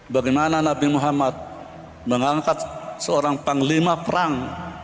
bagaimana nabi muhammad mengangkat seorang panglima perang